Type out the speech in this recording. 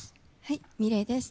ｍｉｌｅｔです。